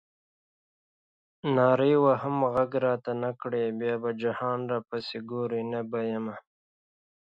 نارې وهم غږ راته نه کړې بیا به جهان راپسې ګورې نه به یمه.